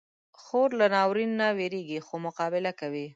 خور له ناورین نه وېریږي، خو مقابله کوي.